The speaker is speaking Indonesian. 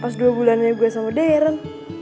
pas dua bulannya gue sama deren